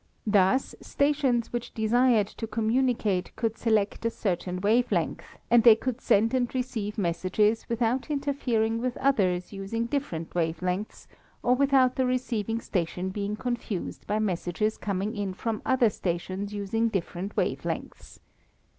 Thus stations which desired to communicate could select a certain wave length, and they could send and receive messages without interfering with others using different wave lengths, or without the receiving station being confused by messages coming in from other stations using different wave lengths.